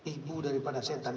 ibu daripada setan